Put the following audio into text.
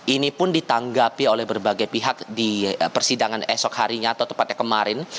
ini pun ditanggapi oleh berbagai pihak di persidangan esok harinya atau tepatnya kemarin